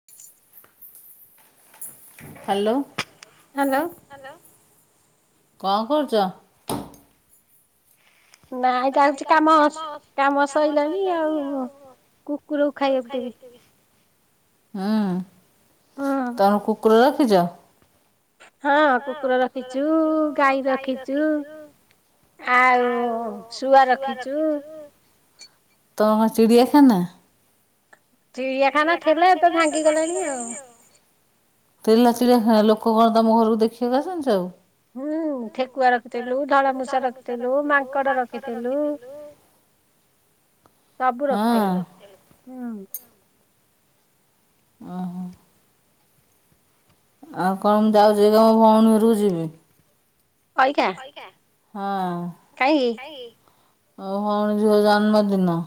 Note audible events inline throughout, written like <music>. Hello hello. Hello କଣ କରୁଚ? ନାଁଇ ଯାଉଛି କାମ କାମ ସଇଲାଣି ଆଉ କୁକୁରକୁ ଖାଇବାକୁ ଦେବି। ହୁଁ ତମର କୁକୁର ରଖିଛ? ହଁ କୁକୁର ରଖିଚୁ ଗାଈ ରଖିଚୁ। ଆଉ ଶୁଆ ରଖିଛୁ। ତମ କଣ ଚିଡ଼ିଆଖାନା ଚିଡ଼ିଆଖାନା ଥିଲେ ଏବେ ଭାଙ୍ଗିଗଲେଣି ଆଉ। ତେଲା ଚିଡ଼ିଆ ଖନା ଲୋକ କଣ ତମ ଘରକୁ ଦେଖିବାକୁ ଆସଛନ୍ତି ଆଉ ହୁଁ ଠେକୁଆ ରଖିଥିଲୁ ଧଳା ମୂଷା ରଖିଥିଲୁ ମାଙ୍କଡ ରଖିଥିଲୁ ହ ସାବୁ ରଖି ଥିଲୁ ହୁଁ ଓହୋ ଆଉ କଣ ମୁ ଯାଉଛି କି ମୁଁ ଭଉଣୀ ଘର କୁ ଯିବି କଇକା ହଁ କାଇଁକି ଆ ହଣ ଝିଅ ଜନ୍ମଦିନ।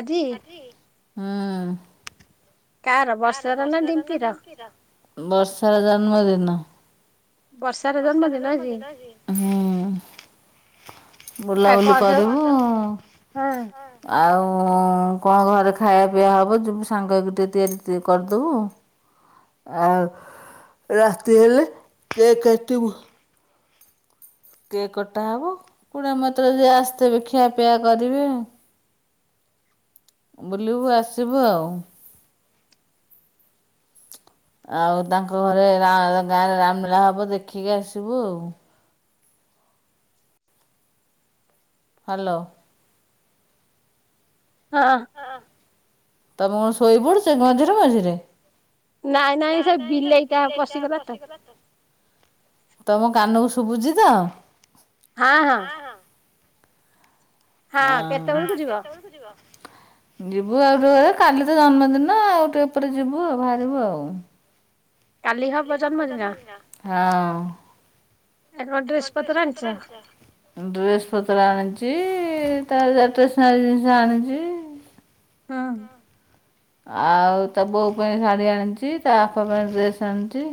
ଆଜି ହୁଁ କାହାର ବର୍ଷର ନା ଡିମ୍ପିର ବର୍ଷ ର ଜନ୍ମଦିନ। ହୁଁ ବୁଲାବୁଲି କରିବୁ ଆଉ କଣ ଘରେ ଖାଇବା ପିଇବା ହେବ ଯେ ସାଙ୍ଗକୁ ଟିକେ ତିଆରି ଟ କରିଦେବୁ ଆଉ ରାତି ହେଲେ କେକ କାଟିବୁ କିଏ କଟା ହବ କୁଡା ମତ୍ର ଯ ଆସିଥିବେ ଖିଆ ପିଆ କରିବେ ଆ ବୁଲିବୁ ଆସିବୁ ଆଉ ଆଉ ତାଙ୍କ ଘରେ ଗାଁରେ ରାମଲୀଳା ହବ ଦେଖିକି ଆସିବୁ ଆଉ ହ୍ୟାଲୋ ହଁ ତମ କଣ ଶୋଇପଡୁଛ ମଝିରେ ମଝିରେ। ନାଇଁ ନାଇଁ ସେ ବିଲେଇଟା ପଶିଗଲା ତ ତମ କାନକୁ ଶୁଭୁଛି ତ। ହଁ ହଁ ହଁ ଯିବୁ ଆଉ ଟିକେ ଘରେ କାଲି ତ ଜନ୍ମଦିନ ଆଉ ଟିକେ ଏପରେ ଯିବୁ ଆଉ ବାହାରିବୁ ଆଉ କାଲି ହବ ଜନ୍ମଦିନ। ହଁ ଡ୍ରେସ ପତ୍ର ଆଣିଛ? ଡ୍ରେସ୍ ପତ୍ର ଆଣିଛି ତାେସନାର ଜିନିଷ ଆଣିଛି। ହଁ ଆଉ ତା ବୋଉ ପାଇଁ ଶାଢ଼ୀ ଆଣିଛି ତା ଆପା ପାଇଁ ଡ୍ରେସ୍ ଆଣିଛି।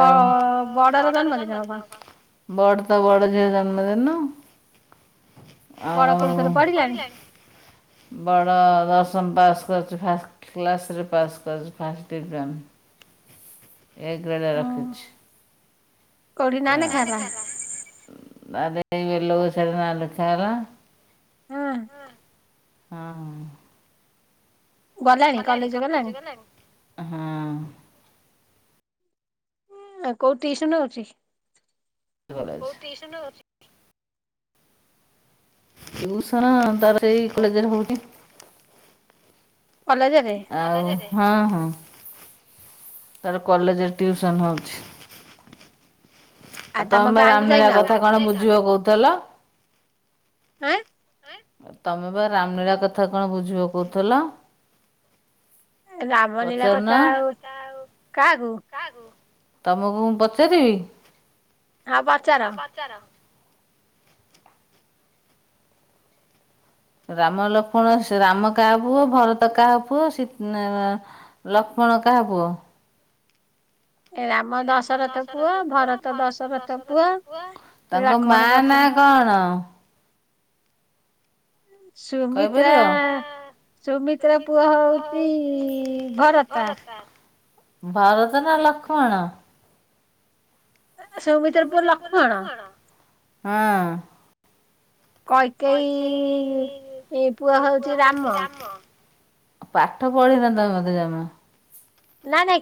ଆଉ ଜିନ ବଡ ତ ବଡ ଝିଅ ଜନ୍ମଦିନ ଆଉ ବଡ଼ ଦଶମ ପାସ୍ କରୁଛି ଫାଷ୍ଟ କ୍ଲାସ୍ରେ ପାସ୍ କରୁଛି ଫାଷ୍ଟ ଡିଭିଜନ ଏ ଗ୍ରେଡ ରଖିଛି ବେଲ ଗଛରେ ନା ଲେଖା ହେଲା ହଁ ହଁ। ଗଲାଣି କଲେଜ୍ ଗଲାଣି? ହଁ। ଆଉ କୋଉଠି ଟିଉସନ୍ ହଉଚି? ଘରେ ଅଛି। ଟିଉସନ୍ ତାପରେ ଏଯଉ କେଜାଣି କୋଉଠି। ଆଉ ହଁ ହଁ। ତାର କଲେଜରେ ଟିଉସନ୍ ହେଉଚି। ଆଉ ତମ ରାମନୀଳା କଥା କଣ ବୁଝିବ କହୁଥିଲ? ତମେବା ରାମ ଲୀଳା କଥା କଣ ବୁଝିବା କହୁଥିଲ? ପଚାରୁନ। କାହାକୁ? କାହାକୁ ତମକୁ ମୁଁ ପଚାରିବି? ହଁ ପଚାର। ପଚାର। ରାମ ଲକ୍ଷ୍ମଣ ରାମ କାହା ପୁଅ ଭରତ କାହା ପୁଅ ସି ନା ନା ଲକ୍ଷ୍ମଣ କାହା ପୁଅ? ରାମ ଦଶରଥ ପୁଅ ଭରତ ଦଶରଥ ପୁଅ ତାଙ୍କ ମା ନା କଣ? ସୁମିତ୍ରା ସୁମିତ୍ର ପୁଅ ହଉଚି ଭରତ ଭରତ ନାଁ ଲକ୍ଷ୍ମଣ ସୁମିତ୍ରା ପୁଅ ଲକ୍ଷ୍ମଣ ହଁ। କଇକେଇ ପୁଅ ହଉଚି ରାମ ପାଠ ପଢିିନ ତମେତ ଜମା।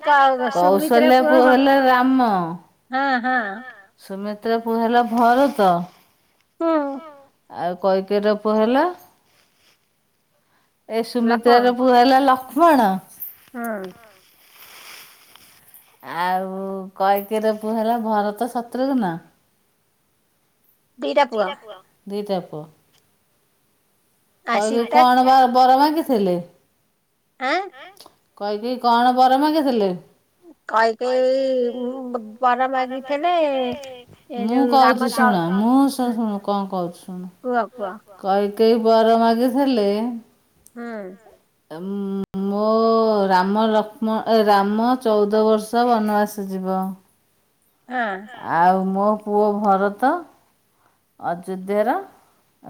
ନାଇଁ ନାଇଁ କୌଶଲ୍ୟା ପୁଅ ହେଲା ରାମ ହଁ ହଁ। ସୁମିତ୍ରା ପୁଅ ହେଲା ଭରତ। ହଁ ଆଉ କଇକିଇର ପୁଅ ହେଲା ଏ ସୁମିତ୍ରାର ପୁଅ ହେଲା ଲକ୍ଷ୍ମଣ ହଁ। ଆଉ କଏକିର ପୁଅ ହେଲା ଭରତ ଶତ୍ରୁଘ୍ନ ଦିଟା ପୁଅ ଦିଟା ପୁଅ କଇକଇ କଣ ବର ମାଗିଥିଲେ? ଆଁ କଇକଇ କଣ ବର ମାଗିଥିଲେ? କଇକଇ ବର ମାଗିଥିଲେ ମୁଁ କହୁଚି ଶୁଣ ମୁଁ ଶୁଣ କଣ କହୁଚି ଶୁଣ? କୁଅଁ କୁଅଁ। କଇକଇ ବର ମାଗିଥିଲେ ହୁଁ। ଉଁ ମୁ ମୋ ଓ ରାମ ଲକ୍ଷ୍ମଣ ରାମ ଚଉଦ ବର୍ଷ ବନବାସ ଯିବ ହଁ। ଆଉ ମୋ ପୁଅ ଭରତ ଅଯୋଧ୍ୟ ର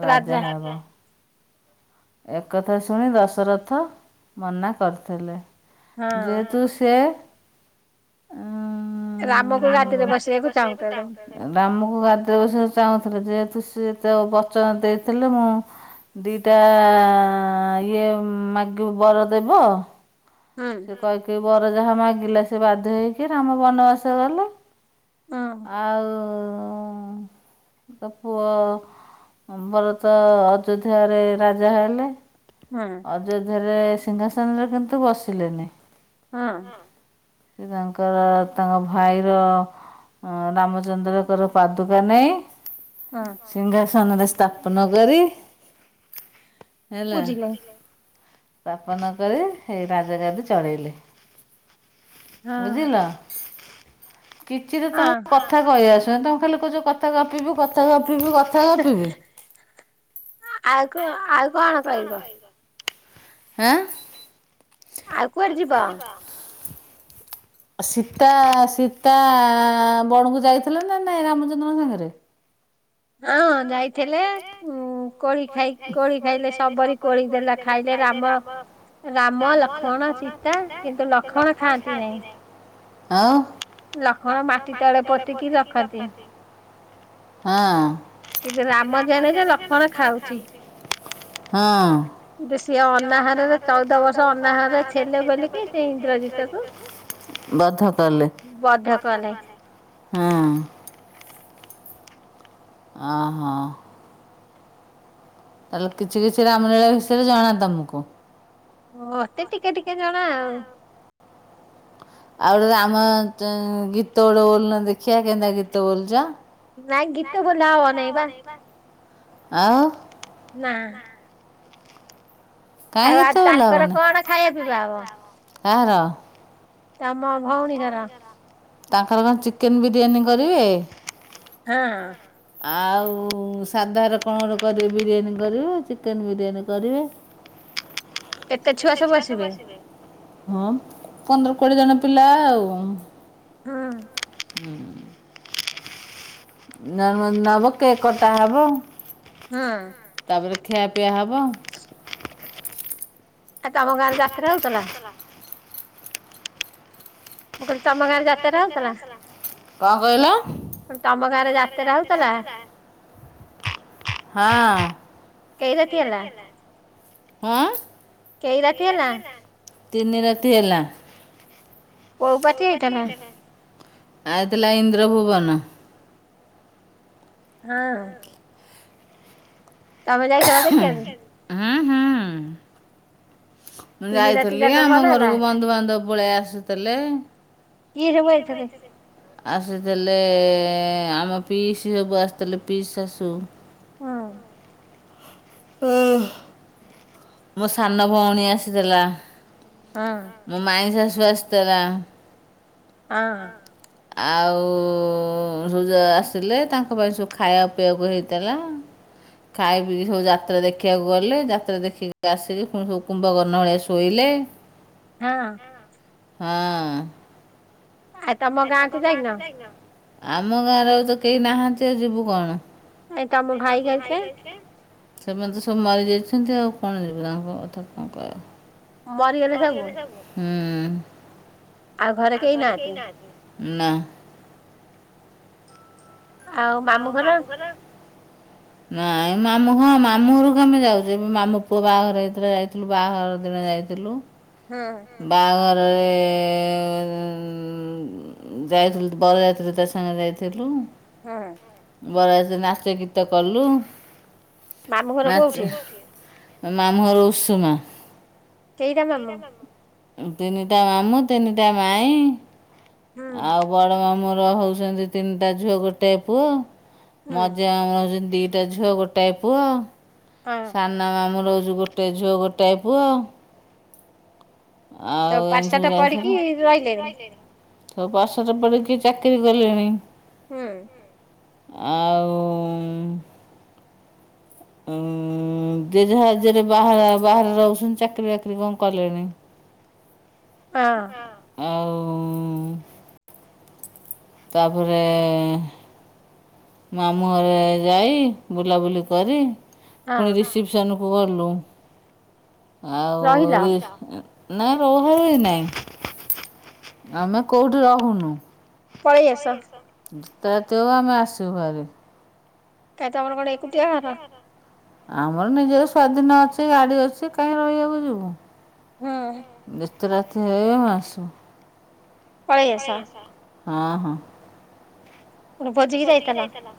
ରାଜା ହେବ ଏକଥା ଶୁଣି ଦଶରଥ ମନା କରିଥିଲେ। ଯେହେତୁ ସେ ରାମକୁ ଗାତିରେ ବସିବାକୁ ଚାହୁଁଥିଲେ ରାମକୁ ଗାଦ ବିଷୟ ଚାହୁଁଥିଲେ ଯେହେତୁ ସିଏତ ବଚନ ଦେଇଥିଲେ ମୁଁ ଦିଟା ଇଏ ମାଗ ବର ଦେବ ହୁଁ କୈକେଇ ବର ଯାହା ମାଗିଲା ସେ ବାଧ୍ୟ ହେଇକି ରାମ ବନବାସ ଗଲେ ଆଉ ତ ପୁଅ ଭରତ ଅଯୋଧ୍ୟାରେ ରାଜା ହେଲେ ହଁ ଅଯୋଧ୍ୟାରେ ସିଂହାସନରେ କିନ୍ତୁ ବସିଲେନି ହଁ ସେ ତାଙ୍କର ତାଙ୍କ ଭାଇର ରାମଚନ୍ଦ୍ରଙ୍କର ପାଦୁକା ନାହି ହଁ ସିଂହାସନରେ ସ୍ଥାପନ କରି ହେଲା ସ୍ଥାପନ କରି ସେଇ ରାଜଗାଦି ଚଳେଇଲେ ବୁଝିଲ କିଛି ତ ତମ କ୍ କଥା କହିହିବାସ ତମେ ଖାଲି କହୁଛ କଥା କପିବୁ କଥା କପିବୁ କଥା କପିବି <unintelligible> ଆଁ ଆଉ କୁଆଡେ ଯିବ <inaudible> ସୀତା ସୀତା ବଣକୁ ଯାଇଥିଲେ ନା ନାଇଁ ରାମଚନ୍ଦ୍ରଙ୍କ ସାଙ୍ଗରେ ହଁ ଯାଇଥିଲେ ଉ କୋଳି ଖାଇ କୋଳି ଖାଇଲେ ସବରି କୋଳି ଦେଲା ଖାଇଲେ ରାମ ରାମ ଲକ୍ଷ୍ମଣ ସୀତା କିନ୍ତୁ ଲକ୍ଷ୍ମଣ ଖାଆନ୍ତି ନାହିଁ। ଆଉ ଲକ୍ଷ୍ମଣ ମାଟି ତଳେ ପୋତିକି ରଖନ୍ତି ହଁ କିନ୍ତୁ ରାମ ଜାଣେ ଯେ ଲଷ୍ମଣ ହଁ ଖାଉ ସିଏ ଅନାହାରରେ ଚଉଦ ବର୍ଷ ଅନାହାରରେ ଠେଲେ ବୋଲିକି ସେ ଇଂନ୍ଦ୍ରଜୀ ବଧ କଲେ ହୁଁ ଓ ହୋ ତାହେଲେ କିଛି କିଛି ରାମଲୀଳା ବିଷୟରେ ଜଣା ତମକୁ ଓ ମତେ ଟିକେ ଟିକେ ଜଣା ଆଉ ଆଉ ଗୋଟେ ରାମ ଚ ଗୀତ ଗୋଟେ ବୋଲନ ଦେଖିବା କେନ୍ତା ଗୀତ ବୋଲଛ ନାଇଁ ଗୀତ ବଲା ହବ ନାଇଁ ବା ଆଉ ନା ଆଉ ଆଉ ତାଙ୍କର କଣ ଖାଇବା ପିଇବା ହବ? କାହାର? ତାଙ୍କର କଣ ଚିକେନ ବିରିୟାନୀ କରିବେ ହଁ। ଆଉ ସାଧାର କଣ ଗୋରେ କରିବେ ବିରିୟାନୀ କରିବେ ଚିକେନ ବିରିୟାନୀ କରିବେ। ହ କେତେ ଛୁଆ ସବୁ ଆସିବେ? ହଁ ପନ୍ଦର କୋଡିଏ ଜଣ ପିଲା ଆଉ। ହଁ। ହୁଁ। ନମ <inaudible> ନବ କେକ୍ କଟା ହବ। ହୁଁ। ତାପରେ ଖିଆପିଆ ହବ। ତାକୁ ଆମ ଗାଁରେ ଯାତ୍ରା ହଉଥିଲା। <unintelligible> ମୁଁ କହିଲି ତମ ଗାଁରେ ଯାତ୍ରା ହଉଥିଲା? ତମ ଗାଁରେ ଯାତ୍ରା ହଉଥିଲା? ହଁ। ହଁ ତିନି ରାତି ହେଲା। କୋଉ ପାର୍ଟି ଆଇଥିଲା? ଆଇଥିଲା ଇନ୍ଦ୍ରଭୁବନ। ହଁ। ତମେ ଯାଇଥିଲ ଦେଖିବାକୁ? ହୁଁ ହୁଁ। ମୁଁ ଯାଇଥିଲି ଆମ ଘରକୁ ବନ୍ଧୁବାନ୍ଧବ ପଳି ଆସୁଥିଲେ। କିଏ ସବୁ ଆଇଥିଲେ? ଆସିଥିଲେ ଆମ ପିଇସ୍ ସବୁ ଆସିଥିଲେ ପିଇ ଶାଶୁ। ହୁଁ। ହଁ <unintelligible> ମୋ ସାନ ଭଉଣୀ ଆସିଥିଲା। ହଁ। ମୋ ମାଇଁ ଶାଶୁ ଆସିଥିଲା। ହଁ। ଆଉ ସୁଜ ଆସିଲେ ତାଙ୍କ ପାଇଁ ସବୁ ଖାଇବା ପିଇବାକୁ ହେଇଥିଲା। ଖାଇ ପି ସବୁ ଯାତ୍ରା ଦେଖିବାକୁ ଗଲେ ଯାତ୍ରା ଦେଖିକି ଆସିକି କୁମ୍ଭକର୍ଣ୍ ଭଳିଆ ଶୋଇଲେ। ହଁ। ହଁ। ଆଉ ତମ ଗାଁ କୁ ଯାଇନ? ଆମ ଗାଁରେ ଆଉ ତ କେହି ନାହାନ୍ତି ଆଉ ଯିବୁ କଣ। ଆାଇ ତମ ଭାଇ ହେରିକା? ସେମାନେ ତ ସବୁ ମରିଯାଇଛନ୍ତି ଆଉ କଣ ଯିବେ ତାଙ୍କ କଥା କଣ କହିବ? ହୁଁ। ଆଉ ଘରେ କେହି ନାହାନ୍ତି? ନା। ଆଉ ମାମୁଁ ଘର? ନାଇଁ ମାମୁଁ ହଁ ମାମୁଁ ଘରକୁ ଆମେ ଯାଉଛେ ମାମୁଁ ପୁଅ ବାହାଘର ହେଥିଲା ଯାଇଥିଲୁ ବାହାଘର ଦିନେ ଯାଇଥିଲୁ। ହୁଁ। ବାହାଘରରେ ଏ ଯାଇଥିଲୁ ବର ଯାତ୍ରା ତା ସାଙ୍ଗେରେ ଯାଇଥିଲୁ ହଁ ବରଯାତ୍ରୀ ନାଚ ଗୀତ କଲୁ ନାଚ ମାମୁଁଘର ଉଷୁମା କେଇଟା ମାମୁଁ ତିନିଟା ମାମୁଁ ତିନିଟା ମାଇଁ। ଆଉ ବଡ଼ ମାମୁଁର ହଉଛନ୍ତି ତିନିଟା ଝିଅ ଗୋଟେ ପୁଅ। ମଝିଁଆ ମାମୁଁର ହଉଛନ୍ତି ଦିଟା ଝୁଅ ଗୋଟାଏ ପୁଅ। ହଁ ସାନ ମାମୁଁର ହେଉଛି ଗୋଟେ ଝୁଅ ଗୋଟାଏ ପୁଅ। ଆଉ ଏମିତି ସବୁ ଯାଇଥିଲୁ। ସବୁ ପାଠ ସାଡ ପଡ଼ିକି ଚାକିରି କଲେଣି। ହୁଁ ଆଉ ଯାହାଜରେ ବା <inaudible> ବାହାରେ ରହୁଛନ୍ତି ଚାକିରି ବାକିରି କଣ କଲେଣି। ହଁ ଆଉ ତାପରେ ମାମୁଁ ଘରେ ଯାଇ ବୁଲାବୁଲି କରି। ପୁଣି ରିସିପ୍ସନ୍ କୁ ଗଲୁ ଆଉ ରି ନାଇଁ ରୁହା ରୁହି ନାଇଁ ଆମେ କୋଉଠି ରହୁନୁ। ପଳେଇ ଆସ। ଯେତେ ରାତି ହଉ ଆମେ ଆସିବୁଭାରି କାହିଁ ତମରକଣ ଏକୁଟିଆ ଘର। ଆମର ନିଜର ସ୍ଵାଧୀନ ଅଛି ଗାଡି ଅଛି କାହିଁ ରହିବାକୁ ଯିବୁ। ଯେତେ ରାତି ହେଇ ଆସୁ। ପଳେଇ ଆସ। ହଁ ହଁ। ଭୋଜିିକି ଯାଇଥିଲ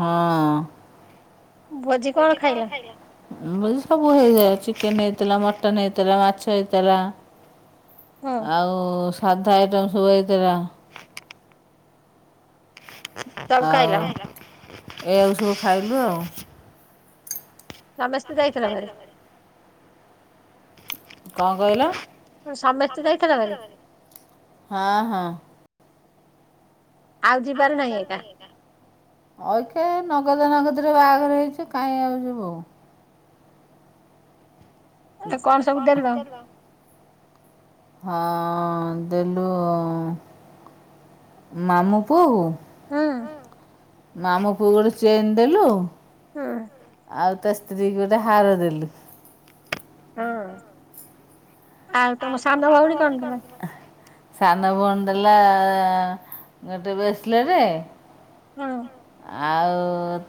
ହଁ ଭୋଜି କଣ ଖାଇଲ? ଭୋଜି ସବୁ ହେଇଯାଏ। ଚିକେନ୍ ହେଇଥିଲା ମଟନ୍ ହେଇଥିଲା ମାଛ ହେଇଥିଲା। ଆଉ ସାଧା ଆଇଟମ୍ ସବୁ ହେଇଥିଲା। ଆଉ ଏଇଆକୁ ସବୁ ଖାଇଲୁ ଆଉ। ସମସ୍ତେ ଯାଇଥିଲ ଘରେ? କଣ କହିଲ? ମୁଁ କହି ସମସ୍ତେ ଯାଇଥିଲ ଘରେ? ହଁ ହଁ। ଆଉ ଯିବାର ନାହିଁ ଏକା। ଅଇକା ନଗଦ ନଗଦୀରେ ବାହାଘର ହେଇଛ କାଇଁ ଆଉ ଜିବୁ। ଆ କଣ ସବୁ ଦେଲ? ହଁ ଦେଲୁ। ମାମୁଁ ପୁଅକୁ ହଁ। ମାମୁଁ ପୁଅକୁ ଗୋଟେ ଚେନ୍ ଦେଲୁ। ହଁ। ଆଉ ତା ସ୍ତ୍ରୀ କି ଗୋଟେ ହାର ଦେଲୁ। ହଁ ଆଉ ତମ ସାନ ଭଉଣୀ କଣ ଦେଲା? ସାନ ଭଣ ଦେଲା ଗୋଟେ ବେସ୍ଲଟେ ଆଉ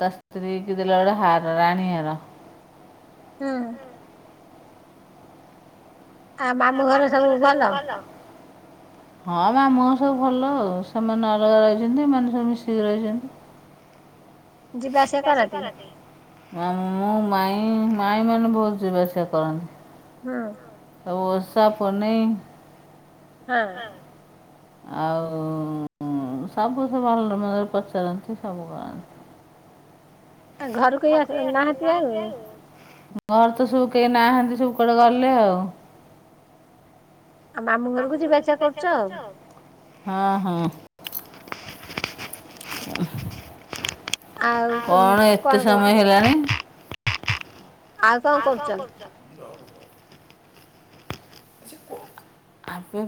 ତା ସ୍ତ୍ରୀ କି ଦେଲା ଗୋଟେ ହାର ରାଣୀହାର। ହଁ ଆ ମାମୁଁ ଘର ସବୁ ଭଲ। ହଁ ମାମୁଁ ଘର ସବୁ ଭଲ ସେମାନେ ଅଲଗା ରହିଛନ୍ତି। ଏମାନେ ସବୁ ମିଶିକି ରହିଛନ୍ତି। ଯିବା ଆସିବା କରନ୍ତି। ମାମୁଁ ମାଇଁ ମାଇଁମାନେ ବହୁତ୍ ଯିବାଆସିବା କରନ୍ତି। ହଁ। ସବୁ ଓସା ପୁନେଇଁ ହଁ। ଆଉ ଉଁ ସବୁ ସେ ଭଲ ମନ୍ଦ ପଚାରନ୍ତି ସବୁ ଘରୁ କେହି ଆସ ନାହାନ୍ତି ଆଉ? ଘରେ ତ ସବୁ କେହି ନାହାନ୍ତି ସବୁ କୁଆଡେ ଗଲେ ଆଉ। ମାମୁଁ ଘରକୁ ଯିବା ଆସିବା କରୁଛ ଆଉ? ହଁ ହଁ। କଣ ଏତେ ସମୟ ହେଲାଣି। ଆଉ କଣ କରୁଚ। ଆପେ